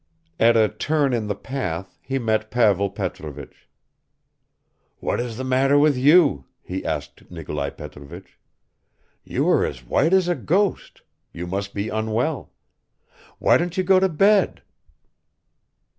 At a turn in the path he met Pavel Petrovich. "What is the matter with you?" he asked Nikolai Petrovich. "You are as white as a ghost; you must be unwell. Why don't you go to bed?"